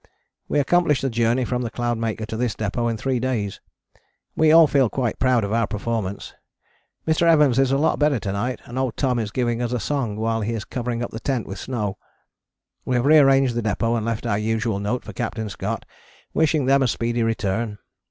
We accomplished the journey from the Cloudmaker to this depôt in three days. We all feel quite proud of our performance. Mr. Evans is a lot better to night and old Tom is giving us a song while he is covering up the tent with snow. We have re arranged the depôt and left our usual note for Capt. Scott, wishing them a speedy return.